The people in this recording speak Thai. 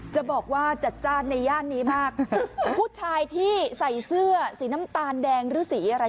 จะบอกว่าจัดจ้านในย่านนี้มากผู้ชายที่ใส่เสื้อสีน้ำตาลแดงหรือสีอะไร